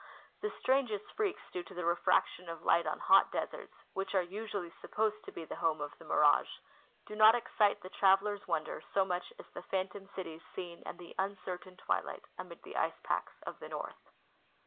The strangest freaks due to the refraction of light on hot deserts, which are usually supposed to be the home of the mirage, do not excite the traveler's wonder so much as the phantom cities seen in the uncertain tAvilight amid the ice packs of the north.